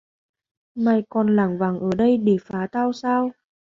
Mày còn lảng vảng ở đây để phá tao sao